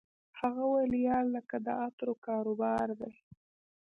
هغه ویل یار لکه د عطرو کاروبار دی